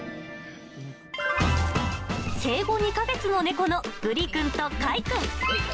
生後２か月の猫のグリくんとカイくん。